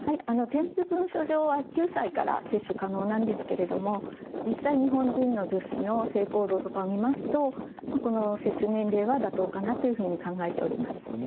添付文書上は９歳から接種可能なんですけれども実際日本人の女子の性行動とかを見ますとこの接種年齢は妥当かなというふうに考えております。